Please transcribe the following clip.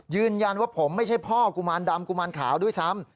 ยืนยันว่าผมไม่ใช่พ่อกุมารดำกุมารขาวด้วยซ้ำ